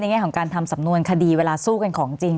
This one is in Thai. แง่ของการทำสำนวนคดีเวลาสู้กันของจริง